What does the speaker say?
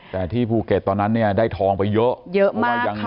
แต่ที่ภูเก็ตตอนนั้นเนี่ยได้ทองไปเยอะเยอะมาก